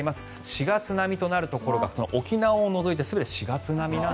４月並みとなるところが沖縄を除いて全て４月並み。